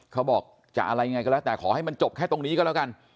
เขาบอกจะอะไรยังไงก็แล้วแต่ขอให้มันจบแค่ตรงนี้ก็แล้วกัน